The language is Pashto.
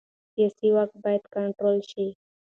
سیاسي واک باید کنټرول شي